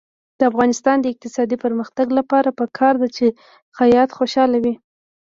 د افغانستان د اقتصادي پرمختګ لپاره پکار ده چې خیاط خوشحاله وي.